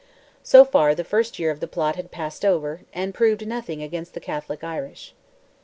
So far the first year of the plot had passed over, and proved nothing against the Catholic Irish.